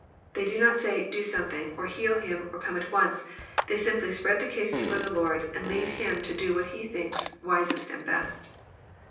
They do not say, " do something," or heal him," or " come at once." They simply spread the case before the Lord, and leave Him to do what He thinks wisest and best.